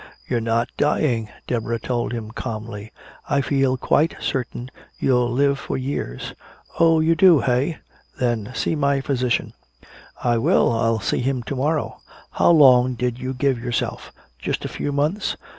"You're not dying," Deborah told him calmly, "I feel quite certain you'll live for years." "Oh, you do, eh then see my physician!" "I will, I'll see him to morrow. How long did you give yourself? Just a few months?"